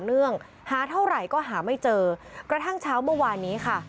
เนื่องหาเท่าไหร่ก็หาไม่เจอกระทั่งเช้าเมื่อวานนี้ค่ะ